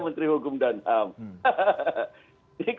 menteri hukum dan ham